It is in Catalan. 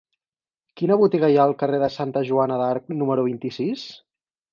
Quina botiga hi ha al carrer de Santa Joana d'Arc número vint-i-sis?